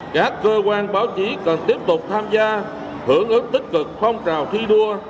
các cơ quan báo chí cần tiếp tục tham gia hưởng ứng tích cực phong trào thi đua